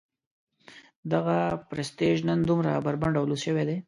دغه پرستیژ نن دومره بربنډ او لوڅ شوی دی.